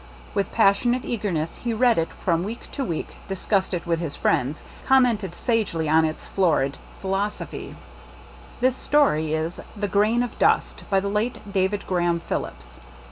With passion ate eagerness he read it from week to week, discussed it with his friends, commented sagely on its florid phil osophy. 170 Comment and Review This story is "The Grain of Dust," by the late David Graham Phillips.